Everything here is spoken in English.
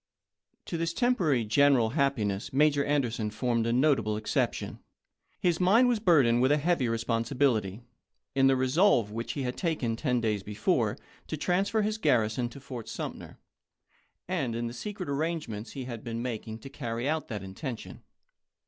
To this temporary general happiness Major An derson formed a notable exception. His mind was burdened with a heavy responsibility in the resolve which he had taken ten days before to transfer his garrison to Fort Sumter, and in the secret arrange ments he had been making to carry out that inten tion.